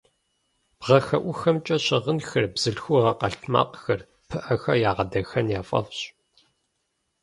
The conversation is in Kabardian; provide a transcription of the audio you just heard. Бгъэхэӏухэмкӏэ щыгъынхэр, бзылъхугъэ къэлътмакъхэр, пыӏэхэр ягъэдахэн яфӏэфӏщ.